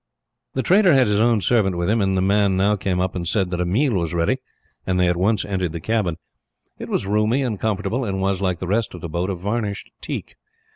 The trader had his own servant with him, and the man now came up and said that a meal was ready, and they at once entered the cabin. It was roomy and comfortable, and was, like the rest of the boat, of varnished teak.